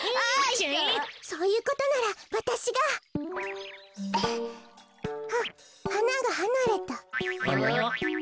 そういうことならわたしが。ははながはなれた。